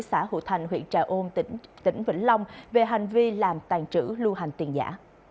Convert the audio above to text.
xã hữu thành huyện trà ôn tỉnh vĩnh long về hành vi làm tàn trữ lưu hành tiền giả